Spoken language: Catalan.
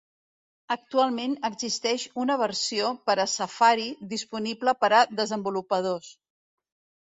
Actualment existeix una versió per a Safari disponible per a desenvolupadors.